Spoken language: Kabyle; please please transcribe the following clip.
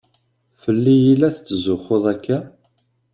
Fell-i i la tetzuxxuḍ akka?